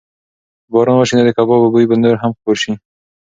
که باران وشي نو د کبابو بوی به نور هم خپور شي.